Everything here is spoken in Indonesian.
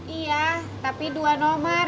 iya tapi dua nomor